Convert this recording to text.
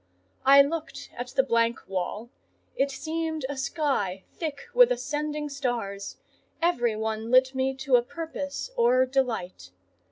I looked at the blank wall: it seemed a sky thick with ascending stars,—every one lit me to a purpose or delight.